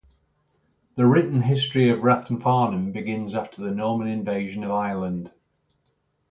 The written history of Rathfarnham begins after the Norman invasion of Ireland.